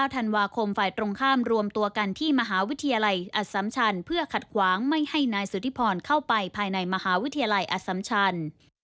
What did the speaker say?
ธันวาคมฝ่ายตรงข้ามรวมตัวกันที่มหาวิทยาลัยอสัมชันเพื่อขัดขวางไม่ให้นายสุธิพรเข้าไปภายในมหาวิทยาลัยอสัมชัน